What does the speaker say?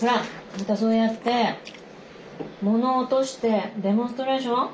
またそうやって物落としてデモンストレーション？